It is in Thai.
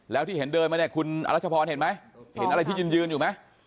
แล้วที่เห็นเดินมาเนี่ยคุณอรัชพรเห็นไหมเห็นอะไรที่ยืนอยู่ไหม